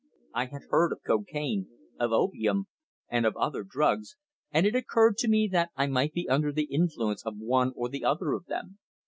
I had heard of cocaine, of opium, and of other drugs, and it occurred to me that I might be under the influence of one or the other of them.